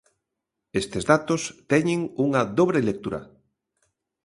Estes datos teñen unha dobre lectura.